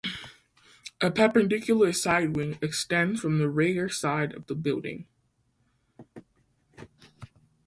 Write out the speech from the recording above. A perpendicular side wing extends from the rear side of the building.